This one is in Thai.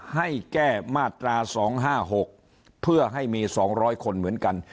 ให้แก้มาตราสองห้าหกเพื่อให้มีสองร้อยคนเหมือนกัน